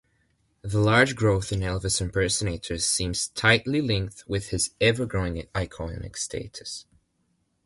The large growth in Elvis impersonators seems tightly linked with his ever-growing iconic status.